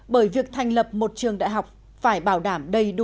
bởi việc thành lập một trường đại học phải bảo đảm đầy đủ